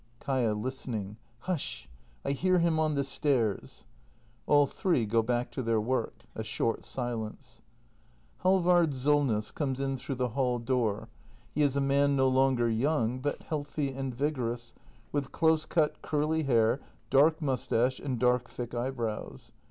Kaia. [Listening.] Hush! I hear him on the stairs. [All three go back to their work. A short silence. Halvard Solness comes in through the hall door. He is a man no longer young, but healthy and vigorous, with close cut curly hair, dark moustache and dark thick eyebrows.